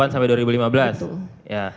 sampai dua ribu lima belas ya